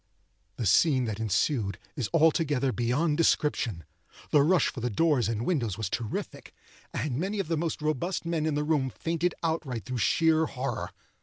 The scene that ensued is altogether beyond description. The rush for the doors and windows was terrific, and many of the most robust men in the room fainted outright through sheer horror.